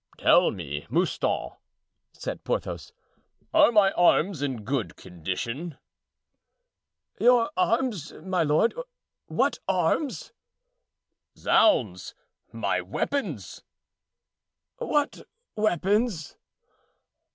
"Tell me, Mouston," said Porthos, "are my arms in good condition?" "Your arms, my lord—what arms?" "Zounds! my weapons." "What weapons?"